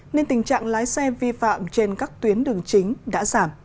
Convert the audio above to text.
nên tình trạng lái xe vi phạm trên các tuyến đường chính đã giảm